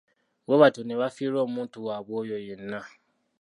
Bwe batyo ne bafiirwa omuntu waabwe oyo yenna.